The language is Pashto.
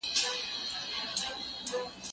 زه به سبا لوښي وچوم!.